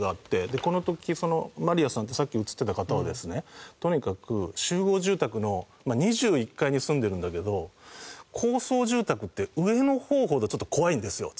でこの時そのマリアさんってさっき映ってた方はですねとにかく集合住宅の２１階に住んでるんだけど高層住宅って上の方ほど怖いんですよ。